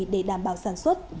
để đảm bảo sản xuất